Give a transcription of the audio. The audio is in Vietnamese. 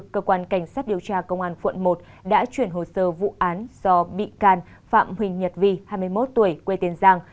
cơ quan cảnh sát điều tra công an quận một đã chuyển hồ sơ vụ án do bị can phạm huỳnh nhật vi hai mươi một tuổi quê tiền giang